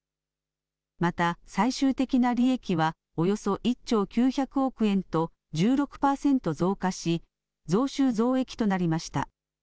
また最終的な利益はおよそ１兆９００億円と１６％増加し増収増益となりました。